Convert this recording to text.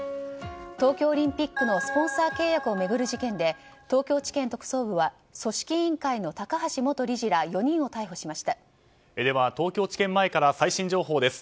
東京オリンピックのスポンサー契約を巡る事件で東京地検特捜部は組織委員会の高橋元理事らでは、東京地検前から最新情報です。